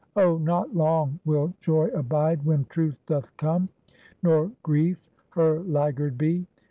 Oh, not long will Joy abide, when Truth doth come; nor Grief her laggard be.